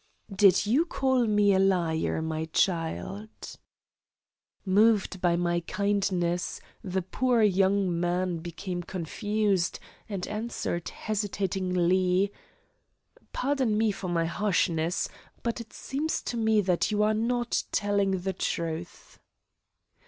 "Did you call me a liar, my child?" Moved by my kindness, the poor young man became confused and answered hesitatingly: "Pardon me for my harshness, but it seems to me that you are not telling the truth."